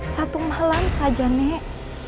satu malam saja nek